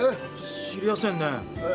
知りやせんねえ。